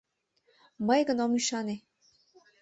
— Мый гын ом ӱшане!